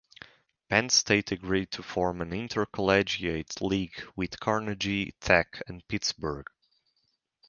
Penn State agreed to form an Intercollegiate League with Carnegie Tech and Pittsburgh.